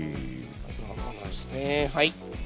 はい。